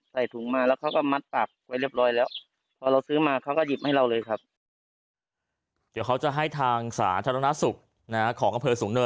ใส่ถุงมาแล้วเขาก็มัดปากไว้เรียบร้อยแล้ว